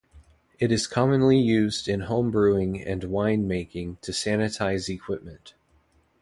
It is commonly used in homebrewing and winemaking to sanitize equipment.